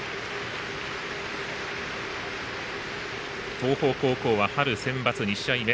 東邦高校は春センバツ２試合目。